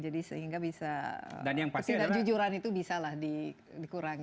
jadi sehingga bisa ketidakjujuran itu bisa lah dikurangin